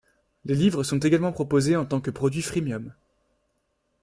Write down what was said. Les livres sont également proposés en tant que produits freemium.